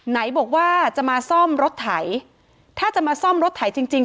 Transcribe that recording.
ไหนบอกว่าจะมาซ่อมรถไถถ้าจะมาซ่อมรถไถจริงจริง